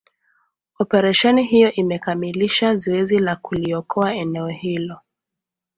operesheni hiyo imekamilisha zoezi la kuliokoa eneo hilo